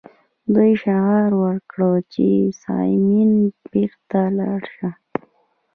دوی شعار ورکړ چې سایمن بیرته لاړ شه.